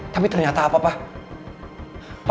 tapi ternyata apa papa